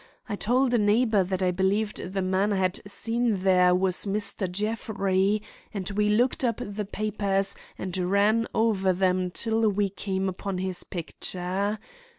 I told a neighbor that I believed the man I had seen there was Mr. Jeffrey, and we looked up the papers and ran over them till we came upon his picture.